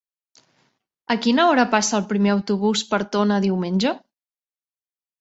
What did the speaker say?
A quina hora passa el primer autobús per Tona diumenge?